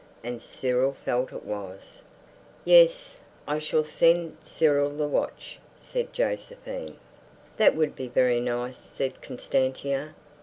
And Cyril felt it was. "Yes, I shall send Cyril the watch," said Josephine. "That would be very nice," said Constantia.